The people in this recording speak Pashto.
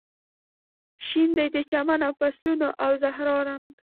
شین دی د چمن او فصلونو او زهرا رنګ